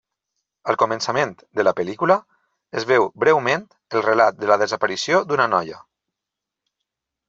Al començament de la pel·lícula es veu breument el relat de la desaparició d'una noia.